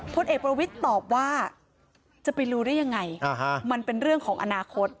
พลเอกประวิทย์ตอบว่าจะไปรู้ได้ยังไงมันเป็นเรื่องของอนาคต